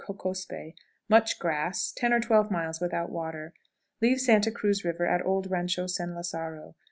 Cocospe. Much grass; 10 or 12 miles without water. Leave Santa Cruz River at old Rancho San Lazaro.